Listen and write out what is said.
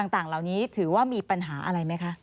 ต่างเหล่านี้ถือว่ามีปัญหาอะไรไหมคะ